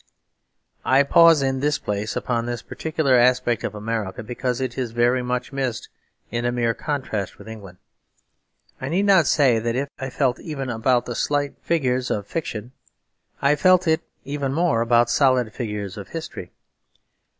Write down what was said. I pause in this place upon this particular aspect of America because it is very much missed in a mere contrast with England. I need not say that if I felt it even about slight figures of fiction, I felt it even more about solid figures of history.